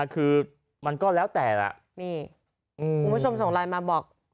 คือมันก็แล้วแต่ล่ะนี่คุณผู้ชมส่งไลน์มาบอก